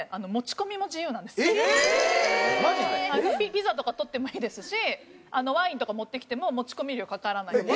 ピザとか取ってもいいですしワインとか持ってきても持ち込み料かからないので。